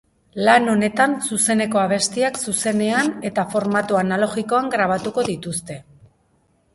Lan honetan zuzeneko abestiak zuzenean eta formatu analogikoan grabatuko dituzte.